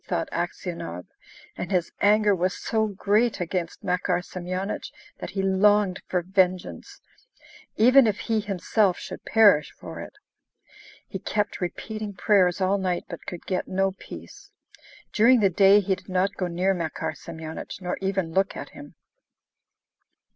thought Aksionov. And his anger was so great against Makar Semyonich that he longed for vengeance, even if he himself should perish for it. He kept repeating prayers all night, but could get no peace. During the day he did not go near Makar Semyonich, nor even look at him.